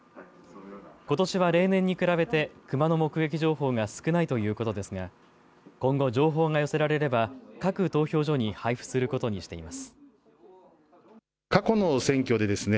ことしは例年に比べてクマの目撃情報が少ないということですが今後、情報が寄せられれば各投票所に配布することにしています。